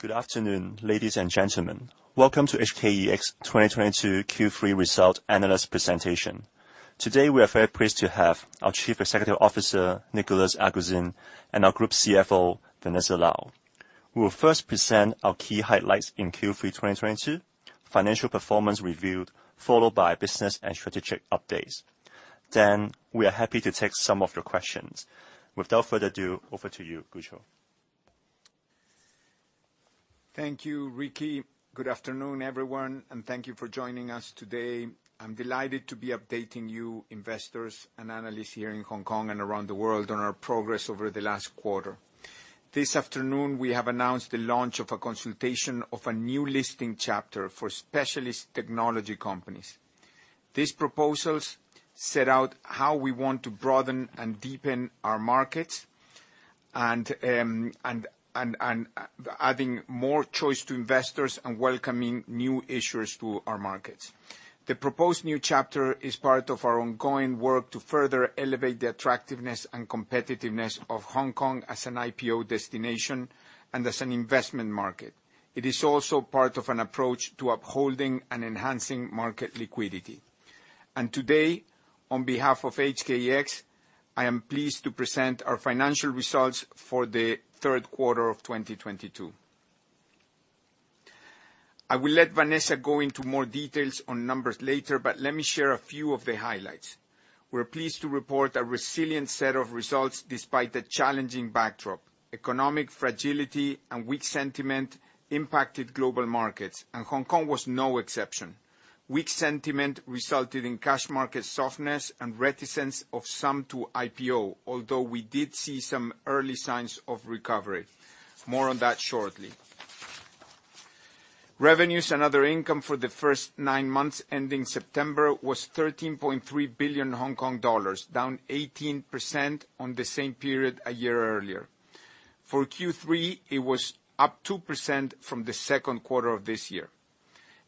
Good afternoon, ladies and gentlemen. Welcome to HKEX 2022 Q3 Results Analyst Presentation. Today, we are very pleased to have our Chief Executive Officer, Nicolas Aguzin, and our Group CFO, Vanessa Lau. We will first present our key highlights in Q3 2022, financial performance review, followed by business and strategic updates. We are happy to take some of your questions. Without further ado, over to you, Gucho. Thank you, Ricky. Good afternoon, everyone, and thank you for joining us today. I'm delighted to be updating you investors and analysts here in Hong Kong and around the world on our progress over the last quarter. This afternoon, we have announced the launch of a consultation of a new listing chapter for specialist technology companies. These proposals set out how we want to broaden and deepen our markets and adding more choice to investors and welcoming new issuers to our markets. The proposed new chapter is part of our ongoing work to further elevate the attractiveness and competitiveness of Hong Kong as an IPO destination and as an investment market. It is also part of an approach to upholding and enhancing market liquidity. Today, on behalf of HKEX, I am pleased to present our financial results for the third quarter of 2022. I will let Vanessa go into more details on numbers later, but let me share a few of the highlights. We're pleased to report a resilient set of results despite the challenging backdrop. Economic fragility and weak sentiment impacted global markets, and Hong Kong was no exception. Weak sentiment resulted in cash market softness and reticence of some to IPO, although we did see some early signs of recovery. More on that shortly. Revenues and other income for the first nine months ending September was 13.3 billion Hong Kong dollars, down 18% on the same period a year earlier. For Q3, it was up 2% from the second quarter of this year.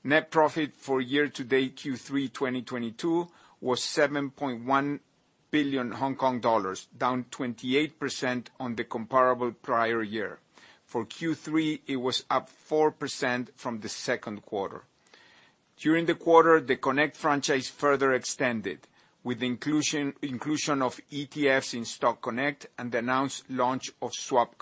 Net profit for year-to-date Q3 2022 was 7.1 billion Hong Kong dollars, down 28% on the comparable prior year. For Q3, it was up 4% from the second quarter. During the quarter, the Connect franchise further extended with inclusion of ETFs in Stock Connect and the announced launch of Swap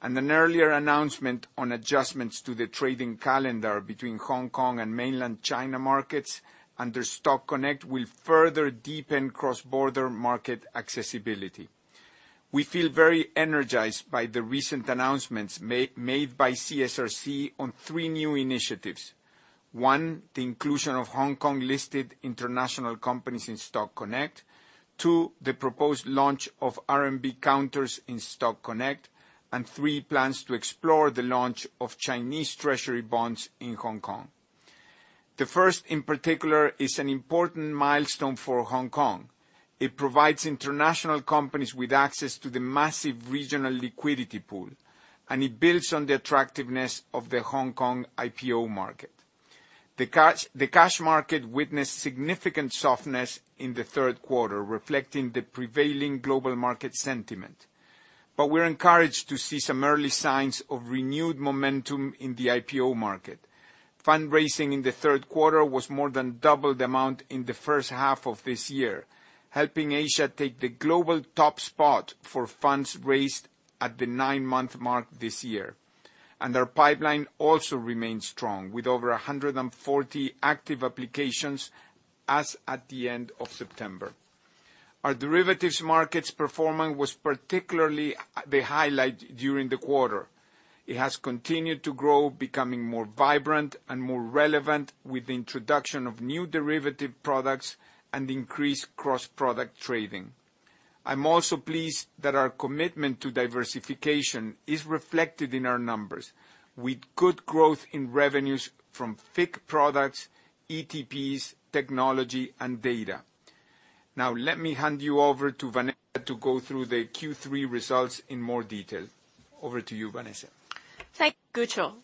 Connect. An earlier announcement on adjustments to the trading calendar between Hong Kong and Mainland China markets under Stock Connect will further deepen cross-border market accessibility. We feel very energized by the recent announcements made by CSRC on three new initiatives. One, the inclusion of Hong Kong-listed international companies in Stock Connect. Two, the proposed launch of RMB counters in Stock Connect. And three, plans to explore the launch of Chinese Treasury bonds in Hong Kong. The first, in particular, is an important milestone for Hong Kong. It provides international companies with access to the massive regional liquidity pool, and it builds on the attractiveness of the Hong Kong IPO market. The cash market witnessed significant softness in the third quarter, reflecting the prevailing global market sentiment. We're encouraged to see some early signs of renewed momentum in the IPO market. Fundraising in the third quarter was more than double the amount in the first half of this year, helping Asia take the global top spot for funds raised at the nine-month mark this year. Our pipeline also remains strong, with over 140 active applications as at the end of September. Our derivatives markets performance was particularly the highlight during the quarter. It has continued to grow, becoming more vibrant and more relevant with the introduction of new derivative products and increased cross-product trading. I'm also pleased that our commitment to diversification is reflected in our numbers, with good growth in revenues from FIC products, ETPs, technology, and data. Now, let me hand you over to Vanessa to go through the Q3 results in more detail. Over to you, Vanessa. Thank you, Gucho.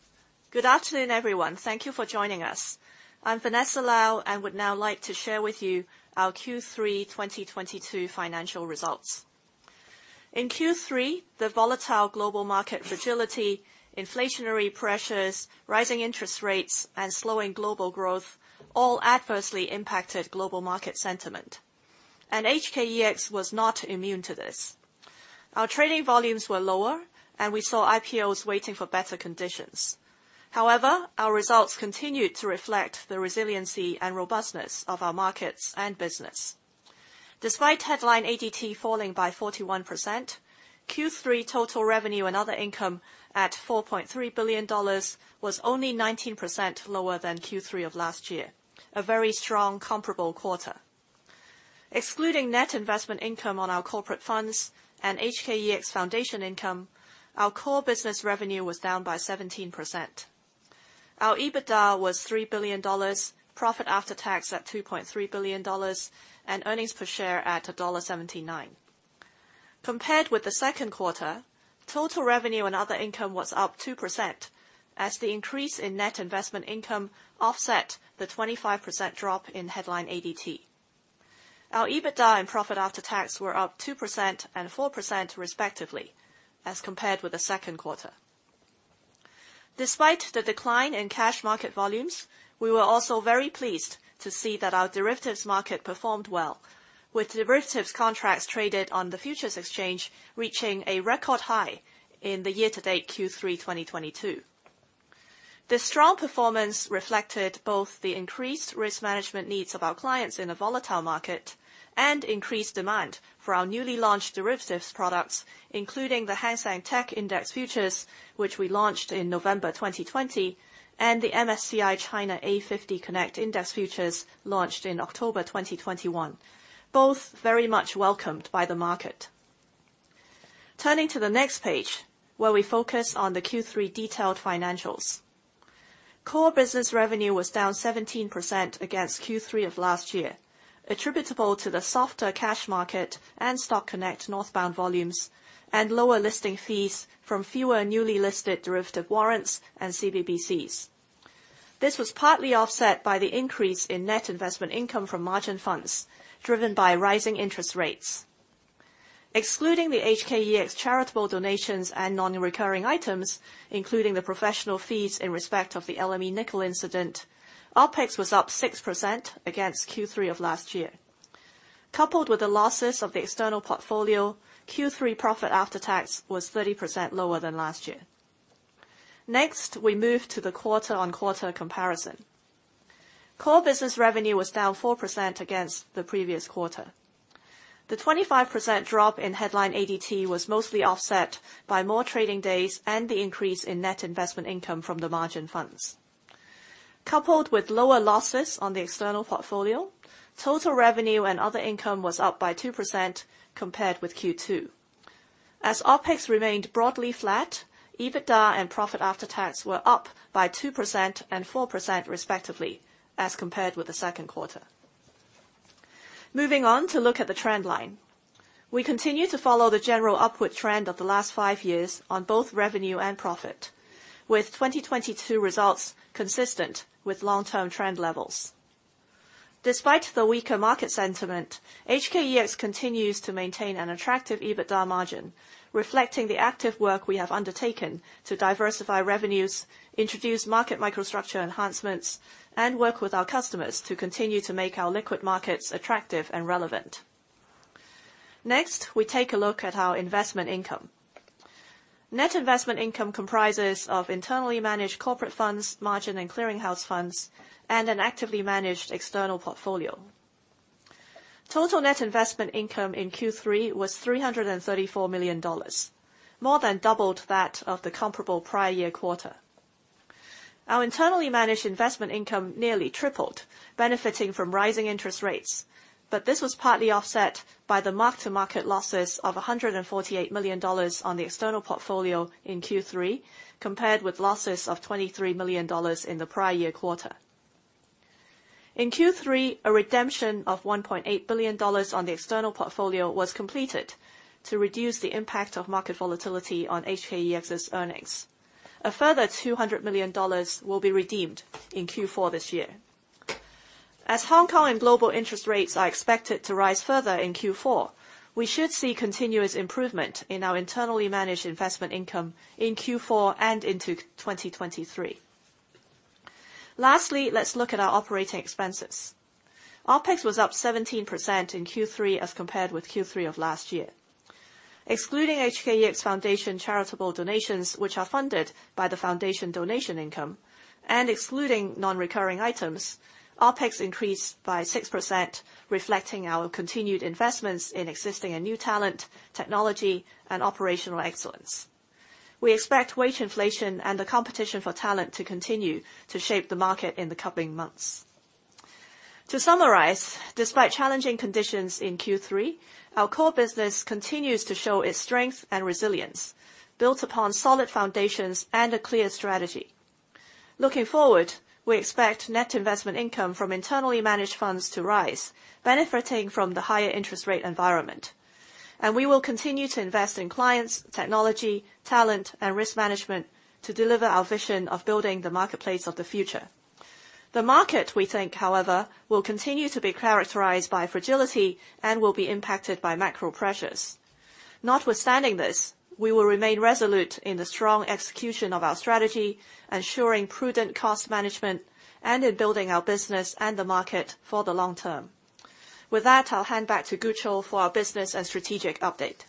Good afternoon, everyone. Thank you for joining us. I'm Vanessa Lau, and would now like to share with you our Q3 2022 financial results. In Q3, the volatile global market fragility, inflationary pressures, rising interest rates, and slowing global growth all adversely impacted global market sentiment, and HKEX was not immune to this. Our trading volumes were lower, and we saw IPOs waiting for better conditions. However, our results continued to reflect the resiliency and robustness of our markets and business. Despite headline ADT falling by 41%, Q3 total revenue and other income at 4.3 billion dollars was only 19% lower than Q3 of last year, a very strong comparable quarter. Excluding net investment income on our corporate funds and HKEX Foundation income, our core business revenue was down by 17%. Our EBITDA was 3 billion dollars, profit after tax at 2.3 billion dollars, and earnings per share at dollar 1.79. Compared with the second quarter, total revenue and other income was up 2% as the increase in net investment income offset the 25% drop in headline ADT. Our EBITDA and profit after tax were up 2% and 4% respectively as compared with the second quarter. Despite the decline in cash market volumes, we were also very pleased to see that our derivatives market performed well, with derivatives contracts traded on the futures exchange reaching a record high in the year-to-date Q3 2022. The strong performance reflected both the increased risk management needs of our clients in a volatile market and increased demand for our newly launched derivatives products, including the Hang Seng TECH Index Futures, which we launched in November 2020, and the MSCI China A50 Connect Index Futures, launched in October 2021, both very much welcomed by the market. Turning to the next page where we focus on the Q3 detailed financials. Core business revenue was down 17% against Q3 of last year, attributable to the softer cash market and Stock Connect Northbound volumes and lower listing fees from fewer newly listed derivative warrants and CBBCs. This was partly offset by the increase in net investment income from margin funds driven by rising interest rates. Excluding the HKEX charitable donations and non-recurring items, including the professional fees in respect of the LME nickel incident, OpEx was up 6% against Q3 of last year. Coupled with the losses of the external portfolio, Q3 profit after tax was 30% lower than last year. Next, we move to the quarter-on-quarter comparison. Core business revenue was down 4% against the previous quarter. The 25% drop in headline ADT was mostly offset by more trading days and the increase in net investment income from the margin funds. Coupled with lower losses on the external portfolio, total revenue and other income was up by 2% compared with Q2. As OpEx remained broadly flat, EBITDA and profit after tax were up by 2% and 4% respectively as compared with the second quarter. Moving on to look at the trend line. We continue to follow the general upward trend of the last five years on both revenue and profit, with 2022 results consistent with long-term trend levels. Despite the weaker market sentiment, HKEX continues to maintain an attractive EBITDA margin, reflecting the active work we have undertaken to diversify revenues, introduce market microstructure enhancements, and work with our customers to continue to make our liquid markets attractive and relevant. Next, we take a look at our investment income. Net investment income comprises of internally managed corporate funds, margin and clearing house funds, and an actively managed external portfolio. Total net investment income in Q3 was HKD 334 million, more than doubled that of the comparable prior year quarter. Our internally managed investment income nearly tripled, benefiting from rising interest rates, but this was partly offset by the mark-to-market losses of $148 million on the external portfolio in Q3, compared with losses of $23 million in the prior year quarter. In Q3, a redemption of $1.8 billion on the external portfolio was completed to reduce the impact of market volatility on HKEX's earnings. A further $200 million will be redeemed in Q4 this year. As Hong Kong and global interest rates are expected to rise further in Q4, we should see continuous improvement in our internally managed investment income in Q4 and into 2023. Lastly, let's look at our operating expenses. OpEx was up 17% in Q3 as compared with Q3 of last year. Excluding HKEX Foundation charitable donations, which are funded by the foundation donation income, and excluding non-recurring items, OpEx increased by 6%, reflecting our continued investments in existing and new talent, technology, and operational excellence. We expect wage inflation and the competition for talent to continue to shape the market in the coming months. To summarize, despite challenging conditions in Q3, our core business continues to show its strength and resilience built upon solid foundations and a clear strategy. Looking forward, we expect net investment income from internally managed funds to rise benefiting from the higher interest rate environment. We will continue to invest in clients, technology, talent, and risk management to deliver our vision of building the marketplace of the future. The market, we think, however, will continue to be characterized by fragility and will be impacted by macro pressures. Notwithstanding this, we will remain resolute in the strong execution of our strategy, ensuring prudent cost management and in building our business and the market for the long term. With that, I'll hand back to Nicolas Aguzin for our business and strategic update.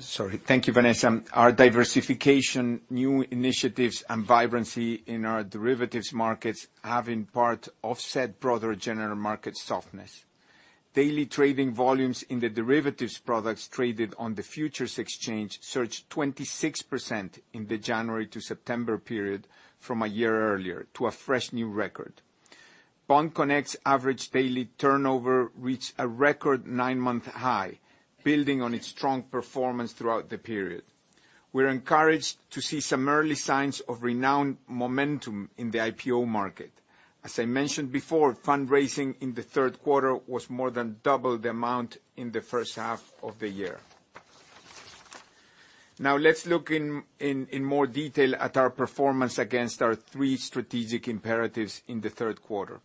Sorry. Thank you, Vanessa. Our diversification, new initiatives, and vibrancy in our derivatives markets have in part offset broader general market softness. Daily trading volumes in the derivatives products traded on the futures exchange surged 26% in the January to September period from a year earlier to a fresh new record. Bond Connect's average daily turnover reached a record nine-month high, building on its strong performance throughout the period. We're encouraged to see some early signs of rebound momentum in the IPO market. As I mentioned before, fundraising in the third quarter was more than double the amount in the first half of the year. Now let's look in more detail at our performance against our three strategic imperatives in the third quarter.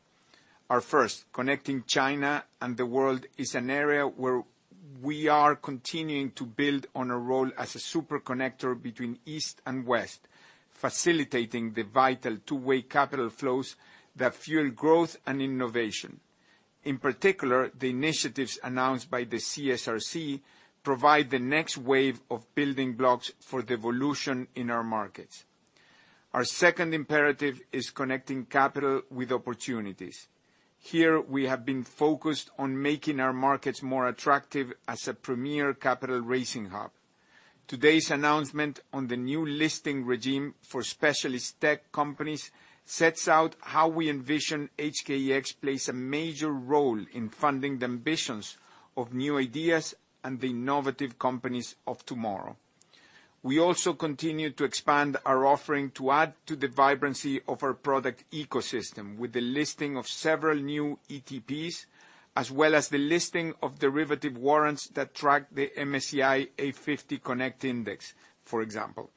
Our first, connecting China and the world is an area where we are continuing to build on a role as a super connector between East and West, facilitating the vital two-way capital flows that fuel growth and innovation. In particular, the initiatives announced by the CSRC provide the next wave of building blocks for the evolution in our markets. Our second imperative is connecting capital with opportunities. Here, we have been focused on making our markets more attractive as a premier capital-raising hub. Today's announcement on the new listing regime for specialist tech companies sets out how we envision HKEX plays a major role in funding the ambitions of new ideas and the innovative companies of tomorrow. We also continue to expand our offering to add to the vibrancy of our product ecosystem, with the listing of several new ETPs, as well as the listing of derivative warrants that track the MSCI China A50 Connect Index, for example.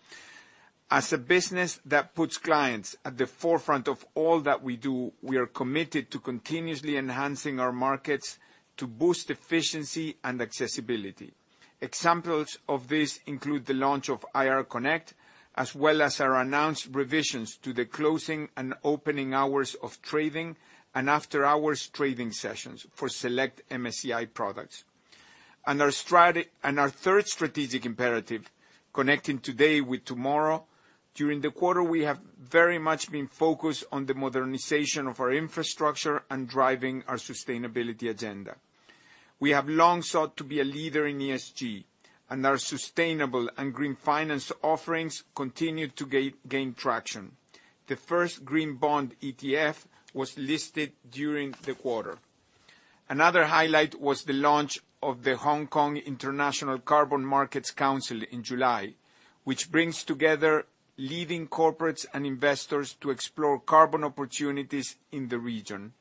As a business that puts clients at the forefront of all that we do, we are committed to continuously enhancing our markets to boost efficiency and accessibility. Examples of this include the launch of IR Connect, as well as our announced revisions to the closing and opening hours of trading and after-hours trading sessions for select MSCI products. Our third strategic imperative, connecting today with tomorrow, during the quarter, we have very much been focused on the modernization of our infrastructure and driving our sustainability agenda. We have long sought to be a leader in ESG, and our sustainable and green finance offerings continue to gain traction. The first green bond ETF was listed during the quarter. Another highlight was the launch of the Hong Kong International Carbon Market Council in July, which brings together leading corporates and investors to explore carbon opportunities in the region.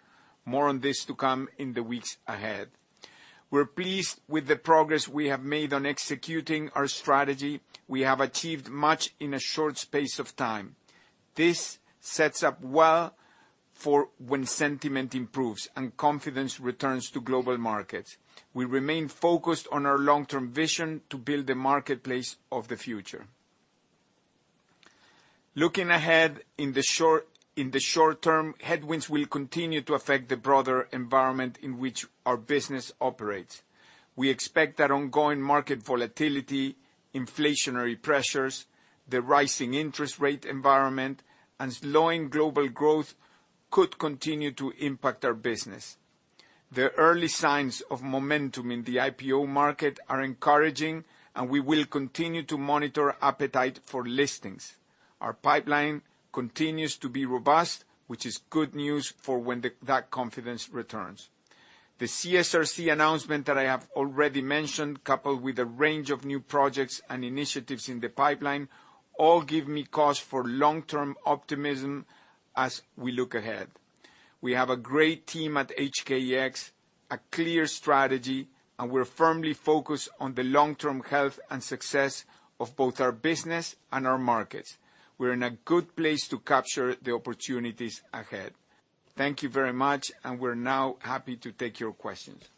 More on this to come in the weeks ahead. We're pleased with the progress we have made on executing our strategy. We have achieved much in a short space of time. This sets up well for when sentiment improves and confidence returns to global markets. We remain focused on our long-term vision to build the marketplace of the future. Looking ahead, in the short term, headwinds will continue to affect the broader environment in which our business operates. We expect that ongoing market volatility, inflationary pressures, the rising interest rate environment, and slowing global growth could continue to impact our business. The early signs of momentum in the IPO market are encouraging, and we will continue to monitor appetite for listings. Our pipeline continues to be robust, which is good news for when that confidence returns. The CSRC announcement that I have already mentioned, coupled with a range of new projects and initiatives in the pipeline, all give me cause for long-term optimism as we look ahead. We have a great team at HKEX, a clear strategy, and we're firmly focused on the long-term health and success of both our business and our markets. We're in a good place to capture the opportunities ahead. Thank you very much, and we're now happy to take your questions.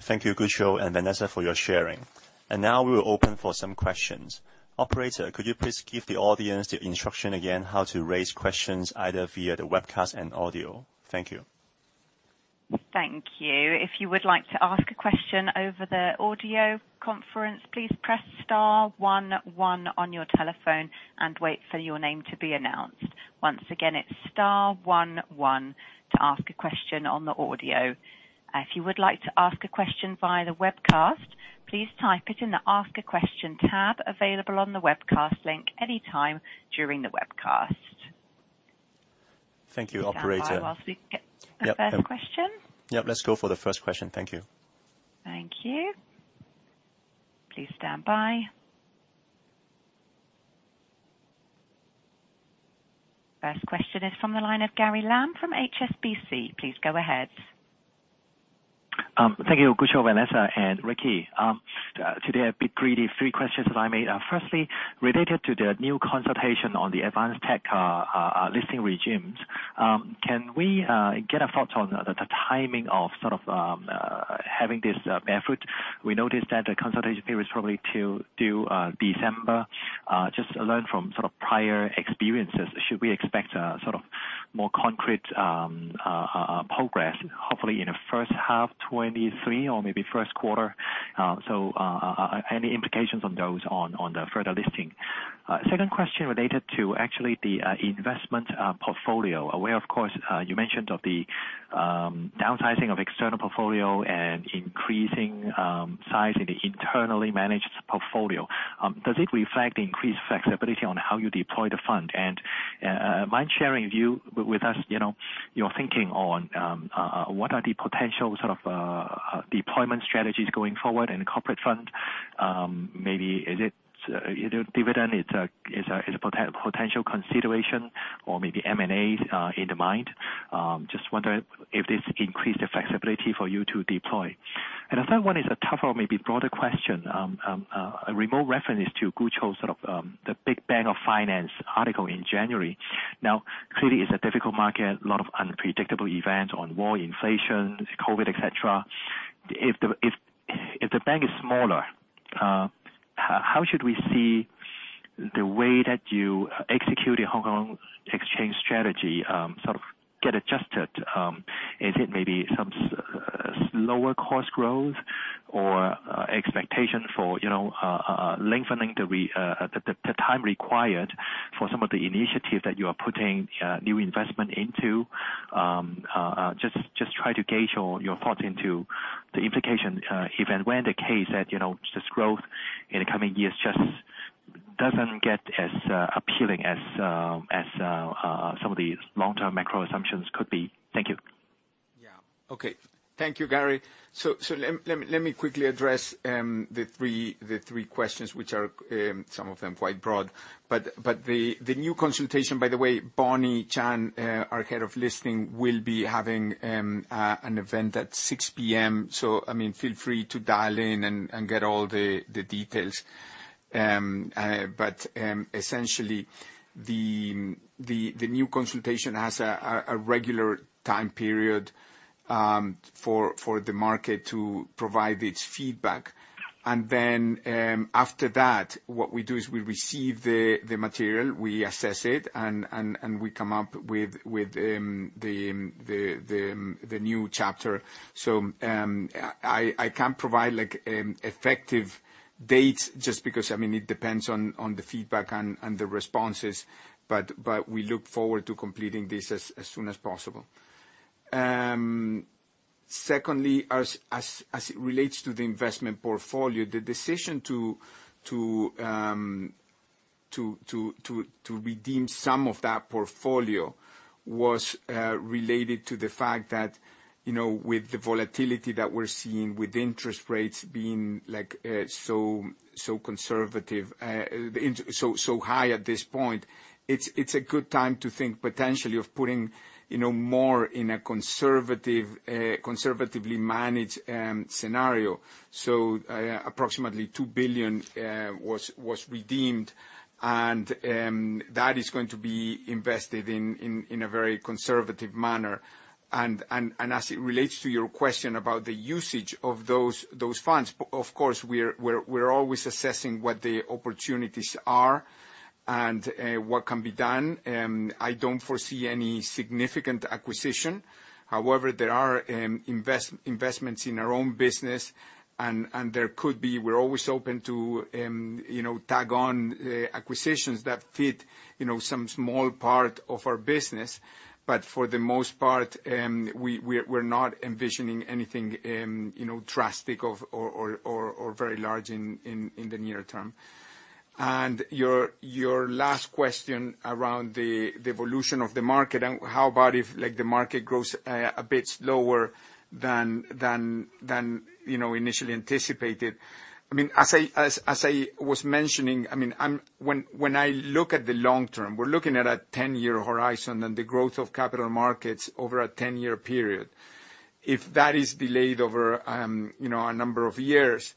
Thank you, Gucho and Vanessa Lau, for your sharing. Now we will open for some questions. Operator, could you please give the audience the instruction again how to raise questions either via the webcast and audio? Thank you. Thank you. If you would like to ask a question over the audio conference, please press star one one on your telephone and wait for your name to be announced. Once again, it's star one one to ask a question on the audio. If you would like to ask a question via the webcast, please type it in the Ask a Question tab available on the webcast link any time during the webcast. Thank you, operator. Stand by while we get the first question. Yep. Let's go for the first question. Thank you. Thank you. Please stand by. First question is from the line of Gary Lam from HSBC. Please go ahead. Thank you Gucho, Vanessa, and Ricky. Today I be greedy, three questions that I made. Firstly, related to the new consultation on the advanced tech listing regimes, can we get a thought on the timing of sort of having this effect? We noticed that the consultation period is probably due December. Just learn from sort of prior experiences, should we expect sort of more concrete progress, hopefully in the first half 2023 or maybe first quarter? Any implications on those on the further listing? Second question related to actually the investment portfolio. Aware of course, you mentioned of the downsizing of external portfolio and increasing size in the internally managed portfolio. Does it reflect increased flexibility on how you deploy the fund? Mind sharing view with us, you know, your thinking on what are the potential sort of deployment strategies going forward in the corporate fund? Maybe, is it, you know, dividend is a potential consideration or maybe M&As in the mind. Just wondering if this increased the flexibility for you to deploy. The third one is a tougher, maybe broader question. A remote reference to Gucho's sort of the Big Bang of Finance article in January. Now, clearly, it's a difficult market, a lot of unpredictable events on war, inflation, COVID, et cetera. If the bang is smaller, how should we see the way that you execute a Hong Kong exchange strategy sort of get adjusted? Is it maybe some slower cost growth or expectation for, you know, lengthening the time required for some of the initiatives that you are putting new investment into? Just try to gauge your thoughts into the implication, if and when the case that, you know, this growth in the coming years just doesn't get as appealing as some of these long-term macro assumptions could be. Thank you. Yeah. Okay. Thank you, Gary. Let me quickly address the three questions which are some of them quite broad. By the way, Bonnie Chan, our Head of Listing, will be having an event at 6 P.M., so I mean, feel free to dial in and get all the details. Essentially, the new consultation has a regular time period for the market to provide its feedback. Then, after that, what we do is we receive the material, we assess it, and we come up with the new chapter. I can't provide like effective dates just because I mean it depends on the feedback and the responses. We look forward to completing this as soon as possible. Secondly, as it relates to the investment portfolio, the decision to redeem some of that portfolio was related to the fact that you know with the volatility that we're seeing with interest rates being so high at this point, it's a good time to think potentially of putting you know more in a conservatively managed scenario. Approximately 2 billion was redeemed and that is going to be invested in a very conservative manner. As it relates to your question about the usage of those funds, of course, we're always assessing what the opportunities are and what can be done. I don't foresee any significant acquisition. However, there are investments in our own business and there could be. We're always open to, you know, tack on acquisitions that fit, you know, some small part of our business. But for the most part, we're not envisioning anything, you know, drastic or very large in the near term. Your last question around the evolution of the market and how about if like the market grows a bit slower than you know, initially anticipated. I mean, as I was mentioning, when I look at the long term, we're looking at a 10-year horizon and the growth of capital markets over a 10-year period. If that is delayed over, you know, a number of years,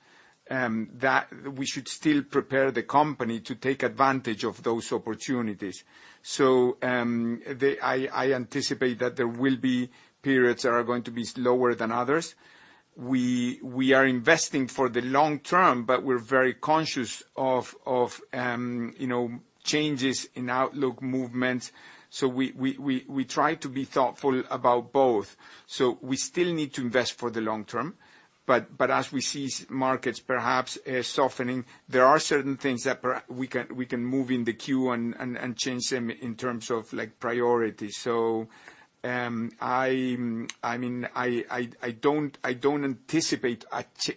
we should still prepare the company to take advantage of those opportunities. I anticipate that there will be periods that are going to be slower than others. We are investing for the long term, but we're very conscious of, you know, changes in outlook movements. We try to be thoughtful about both. We still need to invest for the long term, but as we see markets perhaps softening, there are certain things that we can move in the queue and change them in terms of like priority. I mean, I don't anticipate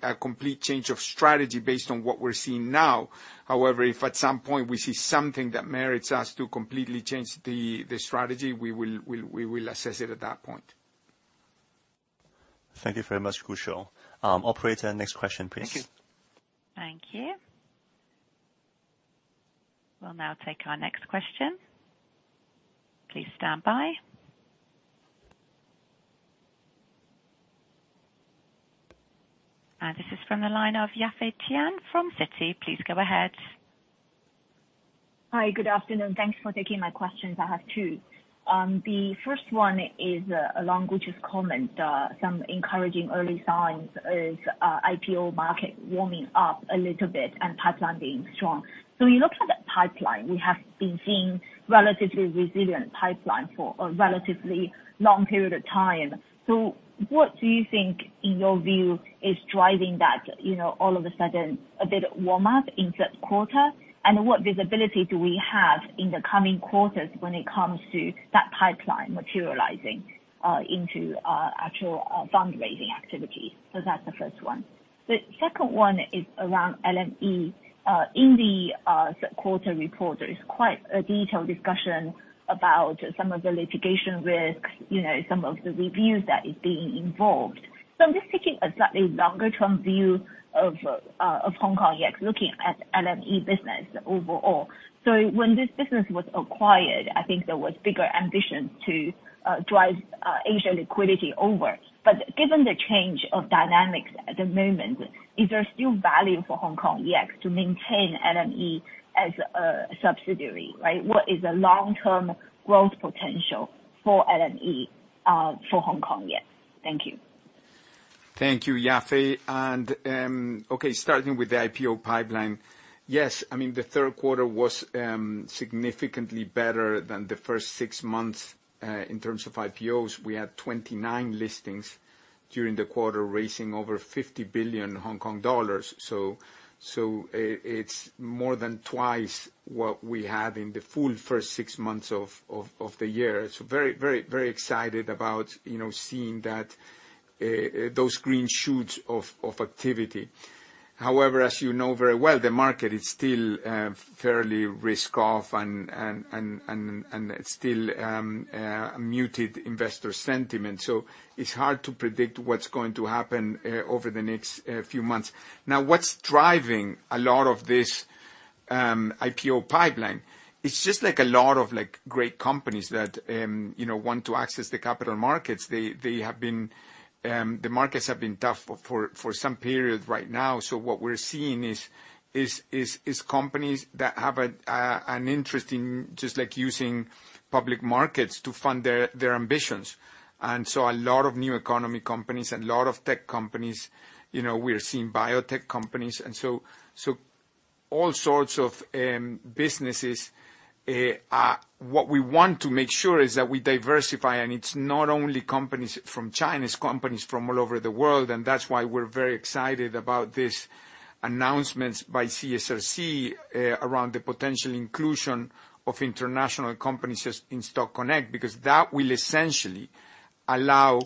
a complete change of strategy based on what we're seeing now. However, if at some point we see something that merits us to completely change the strategy, we will assess it at that point. Thank you very much, Gucho. Operator, next question, please. Thank you. Thank you. We'll now take our next question. Please stand by. This is from the line of Yafei Tian from Citi. Please go ahead. Hi. Good afternoon. Thanks for taking my questions. I have two. The first one is along Gucho's comment, some encouraging early signs is, IPO market warming up a little bit and pipeline being strong. When you look at the pipeline, we have been seeing relatively resilient pipeline for a relatively long period of time. What do you think, in your view, is driving that, you know, all of a sudden a bit warm up in third quarter? And what visibility do we have in the coming quarters when it comes to that pipeline materializing into actual fundraising activity? That's the first one. The second one is around LME. In the third quarter report, there is quite a detailed discussion about some of the litigation risk, you know, some of the reviews that is being involved. I'm just taking a slightly longer term view of Hong Kong, yet looking at LME business overall. When this business was acquired, I think there was bigger ambition to drive Asian liquidity over. Given the change of dynamics at the moment, is there still value for HKEX to maintain LME as a subsidiary, right? What is the long-term growth potential for LME for HKEX? Thank you. Thank you, Yafei. Okay, starting with the IPO pipeline. Yes, I mean, the third quarter was significantly better than the first six months in terms of IPOs. We had 29 listings during the quarter, raising over 50 billion Hong Kong dollars. It's more than twice what we had in the full first six months of the year. Very excited about, you know, seeing that those green shoots of activity. However, as you know very well, the market is still fairly risk-off and still muted investor sentiment. It's hard to predict what's going to happen over the next few months. Now, what's driving a lot of this IPO pipeline, it's just like a lot of, like, great companies that, you know, want to access the capital markets. The markets have been tough for some period right now. What we're seeing is companies that have an interest in just like using public markets to fund their ambitions. A lot of new economy companies and a lot of tech companies, you know, we are seeing biotech companies and so all sorts of businesses. What we want to make sure is that we diversify. It's not only companies from China, it's companies from all over the world, and that's why we're very excited about these announcements by CSRC around the potential inclusion of international companies in Stock Connect, because that will essentially allow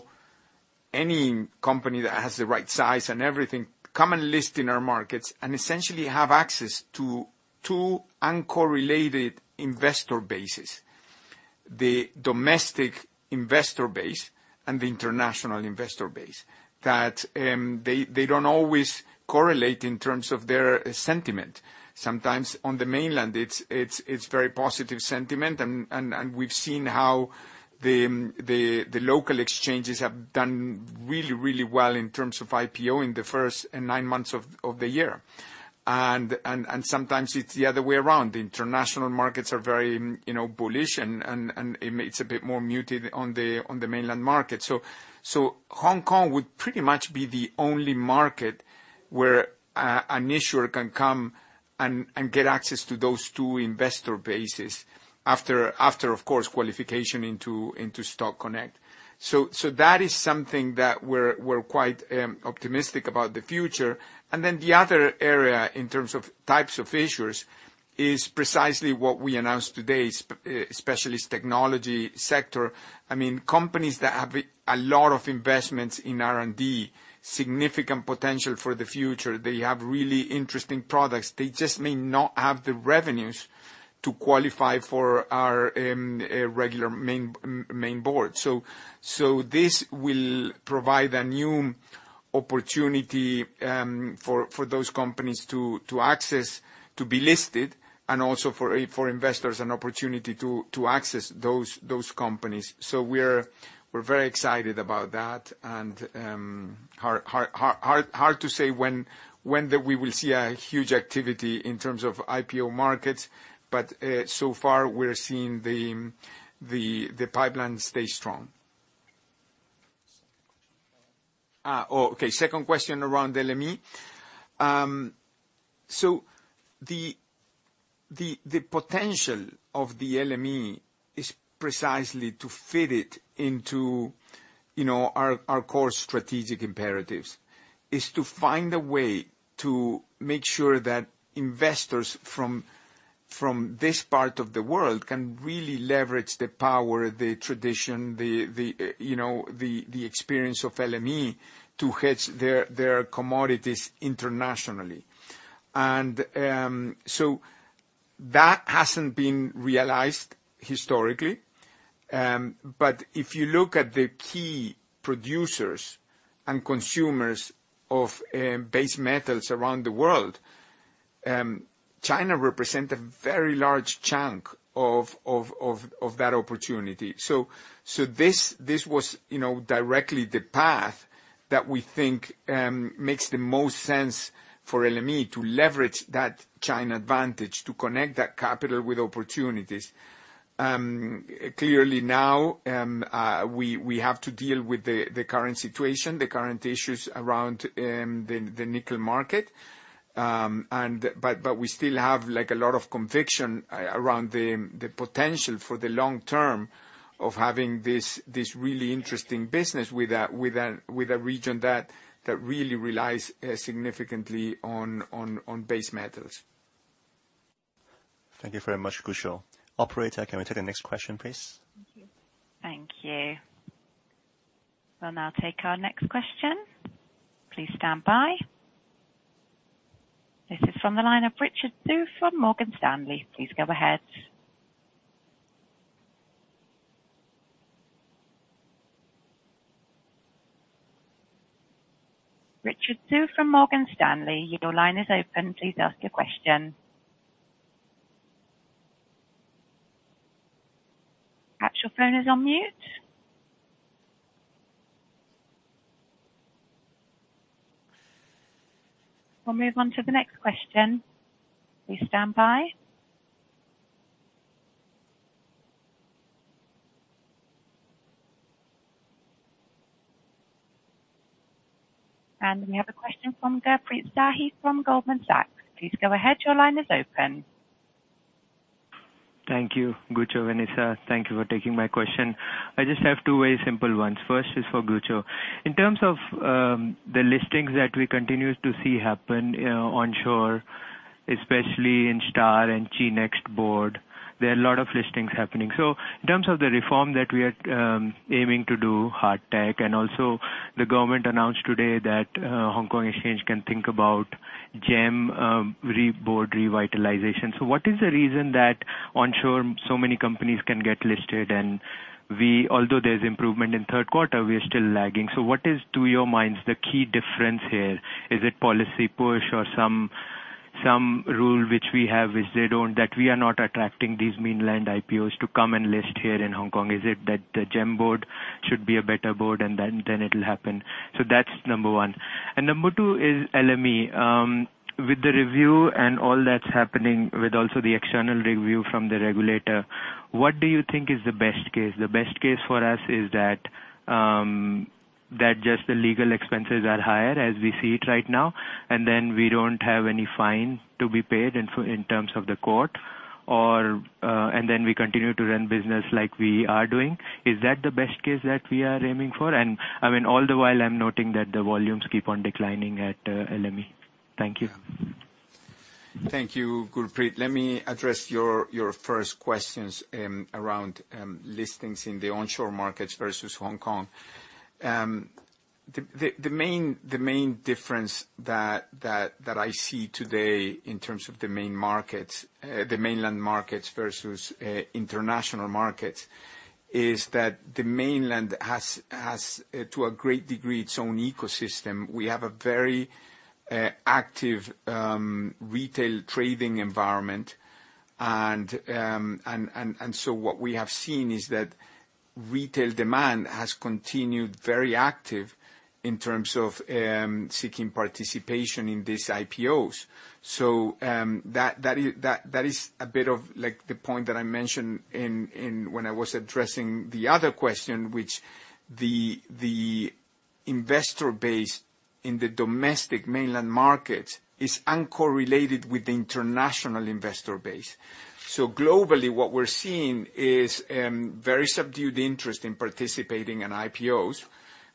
any company that has the right size and everything, come and list in our markets and essentially have access to two uncorrelated investor bases. The domestic investor base and the international investor base, that they don't always correlate in terms of their sentiment. Sometimes on the mainland, it's very positive sentiment. We've seen how the local exchanges have done really well in terms of IPO in the first nine months of the year. Sometimes it's the other way around. The international markets are very, you know, bullish and it's a bit more muted on the mainland market. Hong Kong would pretty much be the only market where an issuer can come and get access to those two investor bases after of course qualification into Stock Connect. That is something that we're quite optimistic about the future. Then the other area in terms of types of issuers is precisely what we announced today, specialist technology sector. I mean, companies that have a lot of investments in R&D, significant potential for the future. They have really interesting products. They just may not have the revenues to qualify for our regular main board. This will provide a new opportunity for those companies to access to be listed, and also for investors an opportunity to access those companies. We're very excited about that. Hard to say when we will see a huge activity in terms of IPO markets. So far, we're seeing the pipeline stay strong. Second question. Second question around LME. The potential of the LME is precisely to fit it into our core strategic imperatives. Is to find a way to make sure that investors from this part of the world can really leverage the power, the tradition, the experience of LME to hedge their commodities internationally. So that hasn't been realized historically. But if you look at the key producers and consumers of base metals around the world, China represent a very large chunk of that opportunity. This was directly the path that we think makes the most sense for LME to leverage that China advantage, to connect that capital with opportunities. Clearly now, we have to deal with the current situation, the current issues around the nickel market. We still have, like, a lot of conviction around the potential for the long term of having this really interesting business with a region that really relies significantly on base metals. Thank you very much, Gucho. Operator, can we take the next question, please? Thank you. Thank you. We'll now take our next question. Please stand by. This is from the line of Richard Xu from Morgan Stanley. Please go ahead. Richard Xu from Morgan Stanley, your line is open. Please ask your question. Perhaps your phone is on mute. We'll move on to the next question. Please stand by. We have a question from Gurpreet Sahi from Goldman Sachs. Please go ahead. Your line is open. Thank you. Gucho, Vanessa. Thank you for taking my question. I just have two very simple ones. First is for Gucho. In terms of the listings that we continue to see happen onshore, especially in STAR Market and ChiNext, there are a lot of listings happening. In terms of the reform that we are aiming to do hard tech, and also the government announced today that Hong Kong Exchange can think about GEM reform revitalization. What is the reason that onshore so many companies can get listed and we, although there's improvement in third quarter, we are still lagging. What is, to your minds, the key difference here? Is it policy push or some rule which we have, which they don't, that we are not attracting these mainland IPOs to come and list here in Hong Kong? Is it that the GEM board should be a better board and then it'll happen? That's number one. Number two is LME. With the review and all that's happening with also the external review from the regulator, what do you think is the best case? The best case for us is that just the legal expenses are higher as we see it right now, and then we don't have any fine to be paid in terms of the court or and then we continue to run business like we are doing. Is that the best case that we are aiming for? I mean, all the while I'm noting that the volumes keep on declining at LME. Thank you. Thank you, Gurpreet. Let me address your first questions around listings in the onshore markets versus Hong Kong. The main difference that I see today in terms of the main markets, the mainland markets versus international markets, is that the mainland has to a great degree its own ecosystem. We have a very active retail trading environment. What we have seen is that retail demand has continued very active in terms of seeking participation in these IPOs. That is a bit of like the point that I mentioned when I was addressing the other question, which the investor base in the domestic mainland markets is uncorrelated with the international investor base. Globally, what we're seeing is very subdued interest in participating in IPOs.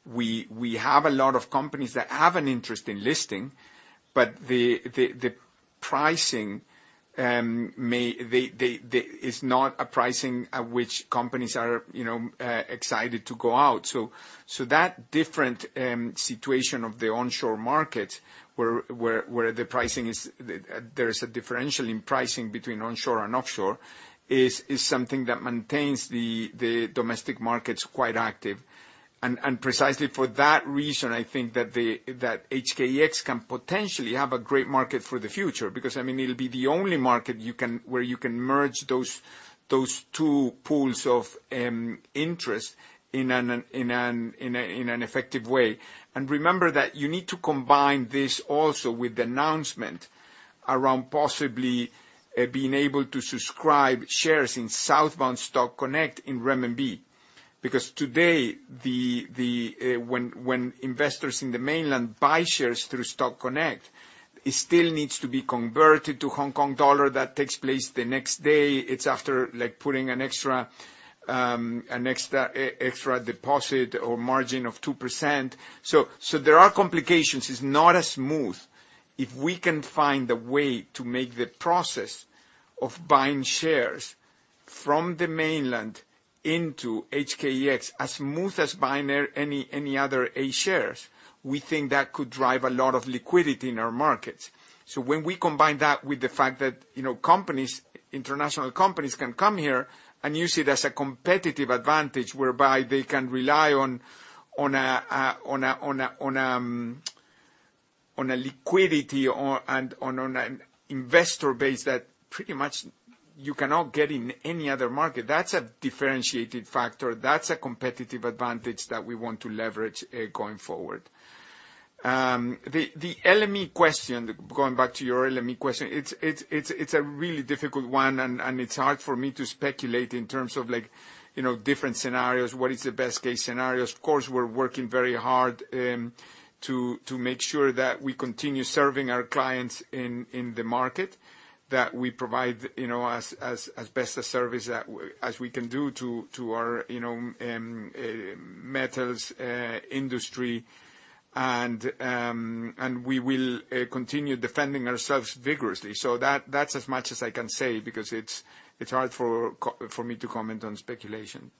We have a lot of companies that have an interest in listing, but the pricing is not a pricing at which companies are, you know, excited to go out. That's a different situation of the onshore market, where the pricing is, there is a differential in pricing between onshore and offshore is something that maintains the domestic markets quite active. Precisely for that reason, I think that HKEX can potentially have a great market for the future, because, I mean, it'll be the only market where you can merge those two pools of interest in an effective way. Remember that you need to combine this also with the announcement around possibly being able to subscribe shares in Southbound Stock Connect in renminbi. Because today, when investors in the mainland buy shares through Stock Connect, it still needs to be converted to Hong Kong dollar. That takes place the next day. It's after, like, putting an extra deposit or margin of 2%. There are complications. It's not as smooth. If we can find a way to make the process of buying shares from the mainland into HKEX as smooth as buying any other A-shares, we think that could drive a lot of liquidity in our markets. When we combine that with the fact that, you know, companies, international companies can come here and use it as a competitive advantage, whereby they can rely on a liquidity and on an investor base that pretty much you cannot get in any other market, that's a differentiated factor. That's a competitive advantage that we want to leverage going forward. The LME question, going back to your LME question, it's a really difficult one, and it's hard for me to speculate in terms of like, you know, different scenarios, what is the best case scenario. Of course, we're working very hard to make sure that we continue serving our clients in the market, that we provide, you know, as best a service as we can do to our, you know, metals industry. We will continue defending ourselves vigorously. That's as much as I can say because it's hard for me to comment on speculation.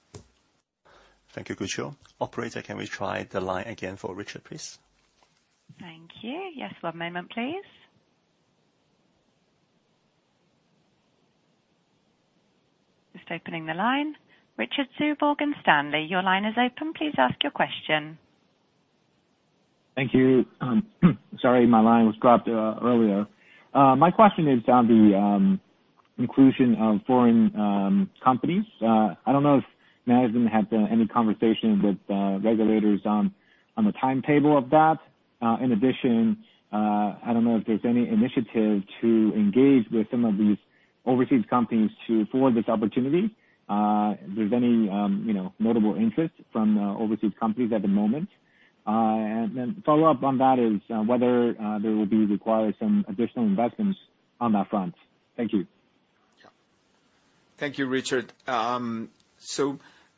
Thank you, Gucho. Operator, can we try the line again for Richard, please? Thank you. Yes, one moment please. Just opening the line. Richard Xu, Morgan Stanley, your line is open. Please ask your question. Thank you. Sorry, my line was dropped earlier. My question is on the inclusion of foreign companies. I don't know if management had any conversations with regulators on the timetable of that. In addition, I don't know if there's any initiative to engage with some of these overseas companies to explore this opportunity. If there's any, you know, notable interest from overseas companies at the moment. Follow up on that is whether there will be required some additional investments on that front. Thank you. Yeah. Thank you, Richard.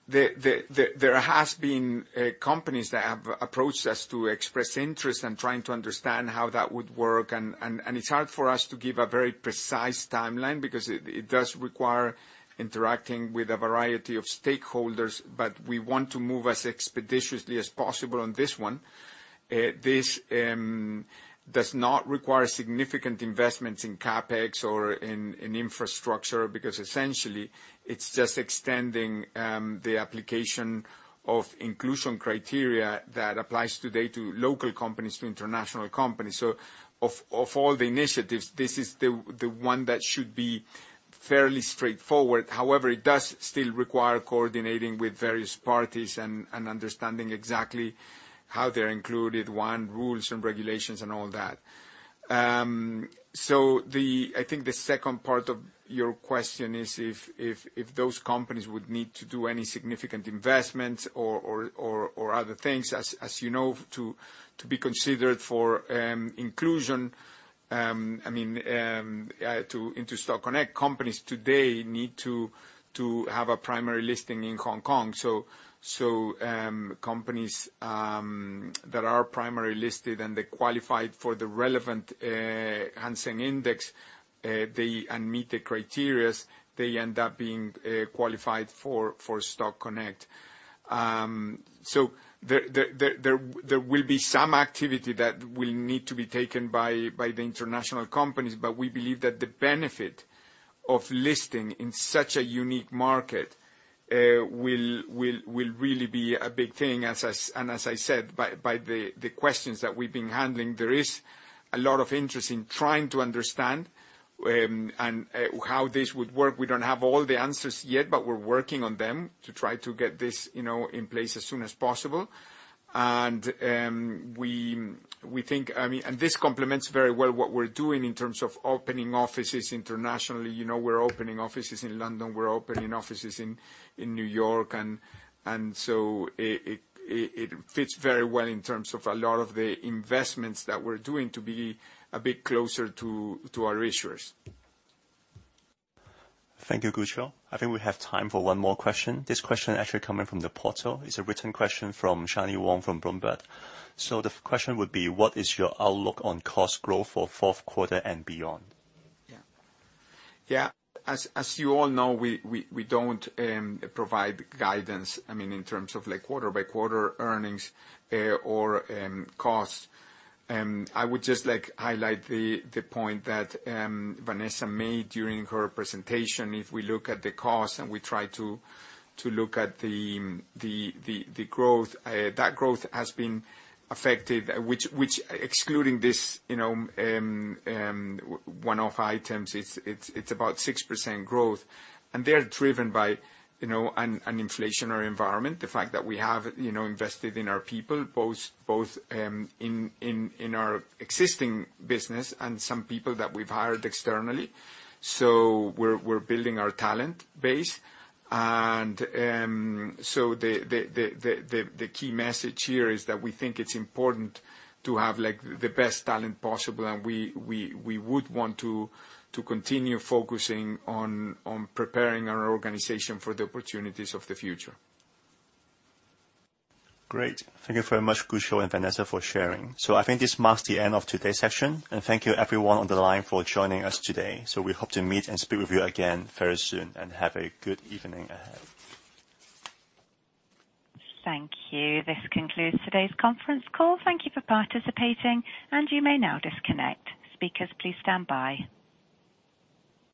There has been companies that have approached us to express interest in trying to understand how that would work, and it's hard for us to give a very precise timeline because it does require interacting with a variety of stakeholders. We want to move as expeditiously as possible on this one. This does not require significant investments in CapEx or in infrastructure because essentially it's just extending the application of inclusion criteria that applies today to local companies, to international companies. Of all the initiatives, this is the one that should be fairly straightforward. However, it does still require coordinating with various parties and understanding exactly how they're included, one, rules and regulations and all that. I think the second part of your question is if those companies would need to do any significant investments or other things. As you know, to be considered for inclusion, I mean, into Stock Connect, companies today need to have a primary listing in Hong Kong. Companies that are primary listed and they qualified for the relevant Hang Seng Index and meet the criteria, they end up being qualified for Stock Connect. There will be some activity that will need to be taken by the international companies, but we believe that the benefit of listing in such a unique market will really be a big thing. As I said by the questions that we've been handling, there is a lot of interest in trying to understand how this would work. We don't have all the answers yet, but we're working on them to try to get this, you know, in place as soon as possible. I mean, and this complements very well what we're doing in terms of opening offices internationally. You know, we're opening offices in London, we're opening offices in New York, and so it fits very well in terms of a lot of the investments that we're doing to be a bit closer to our issuers. Thank you, Gucho. I think we have time for one more question. This question actually coming from the portal. It's a written question from Shanny Wang from Bloomberg. The question would be: What is your outlook on cost growth for fourth quarter and beyond? As you all know, we don't provide guidance, I mean, in terms of like quarter by quarter earnings, or costs. I would just like highlight the point that Vanessa made during her presentation. If we look at the cost and we try to look at the growth, that growth has been affected, which excluding this, you know, one-off items, it's about 6% growth. And they are driven by, you know, an inflationary environment. The fact that we have, you know, invested in our people both in our existing business and some people that we've hired externally. We're building our talent base. The key message here is that we think it's important to have, like, the best talent possible and we would want to continue focusing on preparing our organization for the opportunities of the future. Great. Thank you very much, Gucho and Vanessa, for sharing. I think this marks the end of today's session, and thank you everyone on the line for joining us today. We hope to meet and speak with you again very soon, and have a good evening ahead. Thank you. This concludes today's conference call. Thank you for participating, and you may now disconnect. Speakers, please stand by.